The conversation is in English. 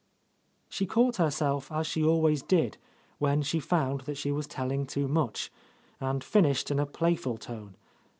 " She caught herself as she always did when she found that she was telling too much, and fin ished in a playful tone.